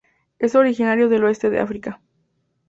Es originario del oeste de África.